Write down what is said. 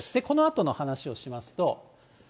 このあとの話をしますと。